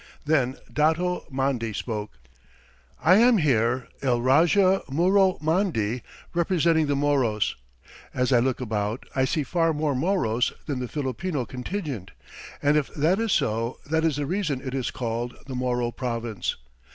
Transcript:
Then Dato Mandi spoke: "I am here, El Raja Mura Mandi, representing the Moros. As I look about, I see far more Moros than the Filipino contingent, and if that is so, that is the reason it is called the Moro Province.